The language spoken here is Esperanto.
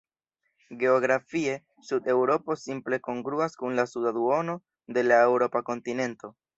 Geografie, Sud-Eŭropo simple kongruas kun la suda duono de la eŭropa kontinento.